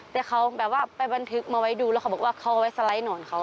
แต่เขาแบบว่าไปบันทึกมาไว้ดูแล้วเขาบอกว่าเขาเอาไว้สไลด์หนอนเขา